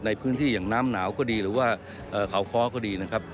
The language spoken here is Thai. ในพื้นที่อย่างน้ำหนาวก็ดีหรือว่าเขาค้อก็ดีนะครับ